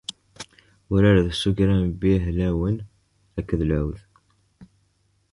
Uraret s ugrambi ḥlawen akked lɛud.